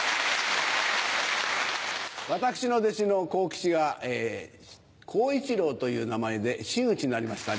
私の弟子の好吉が好一郎という名前で真打ちになりました。